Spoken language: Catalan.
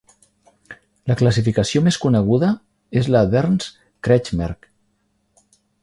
La classificació més coneguda és la d'Ernst Kretschmer.